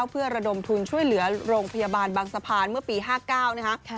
เพื่อระดมทุนช่วยเหลือโรงพยาบาลบางสะพานเมื่อปี๕๙นะคะ